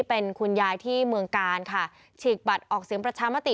เป็นคุณยายที่เมืองกาลค่ะฉีกบัตรออกเสียงประชามติ